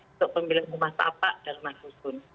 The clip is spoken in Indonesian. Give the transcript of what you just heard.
untuk pemilik rumah tapak dan rumah husun